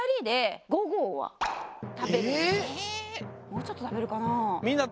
もうちょっとたべるかな。